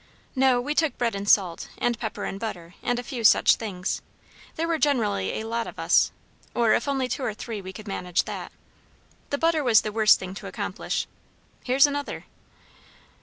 "No; we took bread and salt, and pepper and butter, and a few such things. There were generally a lot of us; or if only two or three we could manage that. The butter was the worst thing to accomplish Here's another!"